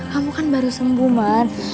kamu kan baru sembuh mbak